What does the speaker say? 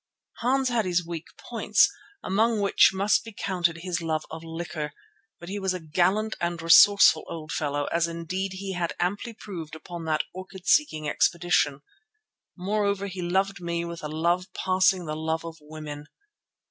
Hans had his weak points, among which must be counted his love of liquor, but he was a gallant and resourceful old fellow as indeed he had amply proved upon that orchid seeking expedition. Moreover he loved me with a love passing the love of women.